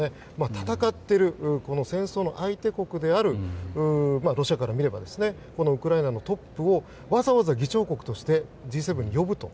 戦っている戦争の相手国であるロシアから見ればウクライナのトップをわざわざ議長国としてＧ７に呼ぶと。